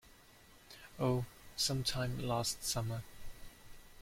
Oh, some time last summer.